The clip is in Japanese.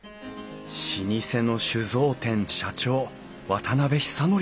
老舗の酒造店社長渡久憲さん。